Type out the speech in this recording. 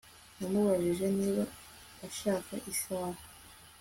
Namubajije niba ashaka isaha